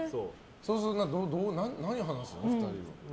そうすると何話すの２人で。